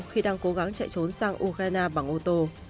khi đang cố gắng chạy trốn sang ukraine bằng ô tô